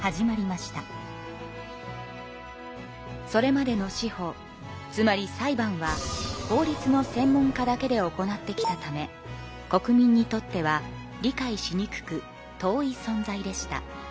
それまでの司法つまり裁判は法律の専門家だけで行ってきたため国民にとっては理解しにくく遠い存在でした。